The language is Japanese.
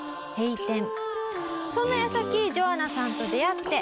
そんな矢先ジョアナさんと出会って。